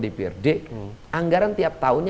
di prd anggaran tiap tahun